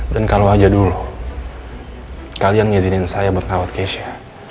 dan kalau aja dulu kalian ngizinin saya buat ngawat keisha